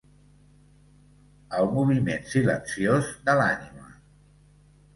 El moviment silenciós de l’ànima.